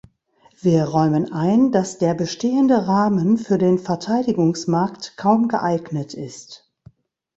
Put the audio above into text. Wir räumen ein, dass der bestehende Rahmen für den Verteidigungsmarkt kaum geeignet ist.